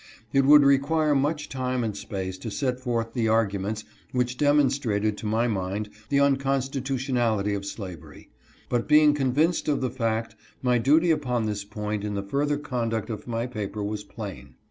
It would require much time and space to set forth the arguments which demonstrated to my mind the unconstitutionality of slavery; but being convinced of the fact my duty upon this point in the further conduct of my paper was plain.